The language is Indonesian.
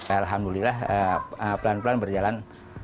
alhamdulillah pelan pelan berjalan